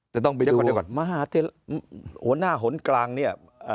เดี๋ยวก่อนหัวหน้าหนกลางนี้